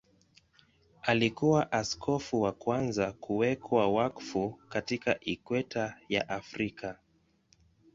Alikuwa askofu wa kwanza kuwekwa wakfu katika Ikweta ya Afrika.